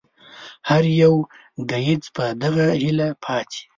هر يو ګهيځ په دغه هيله پاڅي